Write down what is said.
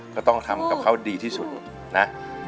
ก็ต้องทำกับเขาดีที่สุดนะ